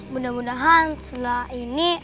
mudah mudahan setelah ini